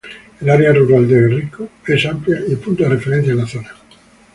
El área rural de Guerrico es amplia y punto de referencia en la zona.